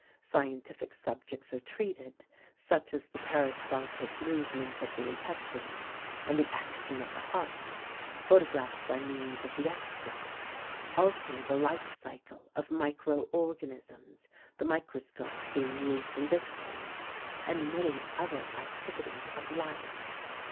Scientific subjects are treated, such as the peristaltic movements of the intestines and the action of the heart, photographed by means of the X ray; also the life cycle of micro organisms, the microscope being used in this case and many other activities of life.